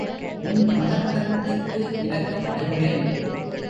உன் மடத்தனத்துக்கு இரக்கப் படுகிறேன்.